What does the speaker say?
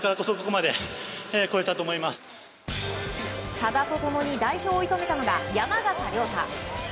多田と共に代表を射止めたのが山縣亮太。